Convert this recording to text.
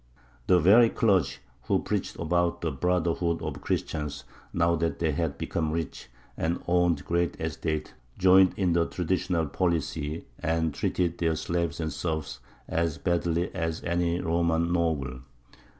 The very clergy, who preached about the brotherhood of Christians, now that they had become rich and owned great estates, joined in the traditional policy and treated their slaves and serfs as badly as any Roman noble.